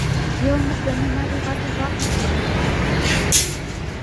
Йылмыж дене марий вате-влакым ондален кертеш.